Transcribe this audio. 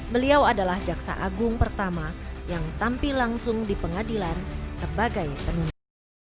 beliau adalah jaksa agung pertama yang tampil langsung di pengadilan sebagai penuntut